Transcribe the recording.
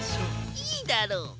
いいだろう。